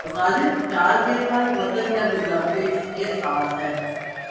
غالب خیال یہ تھا کہ وطن یا جغرافیہ اس کی اساس ہے۔